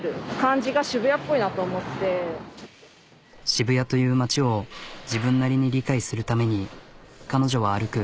渋谷という街を自分なりに理解するために彼女は歩く。